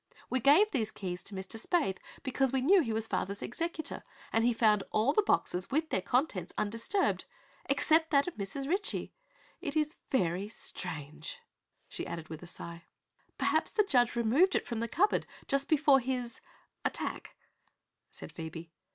We gave these keys to Mr. Spaythe because we knew he was father's executor, and he found all the boxes, with their contents undisturbed, except that of Mrs. Ritchie. It is very strange," she added, with a sigh. "Perhaps the judge removed it from the cupboard just before his his attack," said Phoebe.